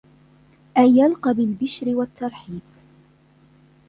أَنْ يَلْقَى بِالْبِشْرِ وَالتَّرْحِيبِ